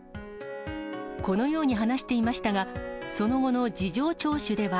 このように話していましたが、その後の事情聴取では。